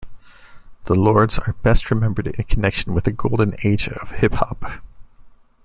The Lords are best remembered in connection with the golden age of hip hop.